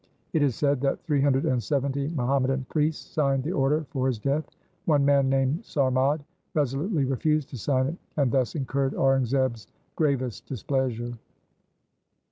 It is said that three hundred and seventy Muhammadan priests signed the order for his death. One man, named Sarmad, resolutely refused to sign it, and thus incurred Aurangzeb's gravest displeasure.